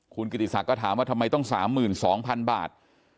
คุณกิติศักดิ์ก็ถามว่าทำไมต้อง๓๒๐๐๐บาท